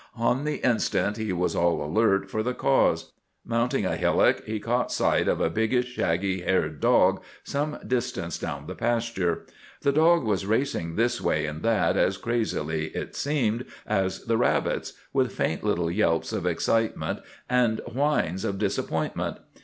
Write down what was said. On the instant he was all alert for the cause. Mounting a hillock, he caught sight of a biggish shaggy haired dog some distance down the pasture. The dog was racing this way and that as crazily, it seemed, as the rabbits, with faint little yelps of excitement and whines of disappointment.